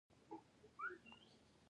ایا کله مو ام آر آی کړې ده؟